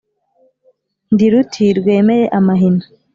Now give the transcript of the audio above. Ndi ruti rwemeye amahina,